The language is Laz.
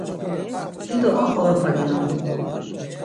Dido aqoropaginon.